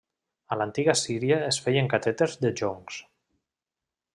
A l'antiga Síria es feien catèters de joncs.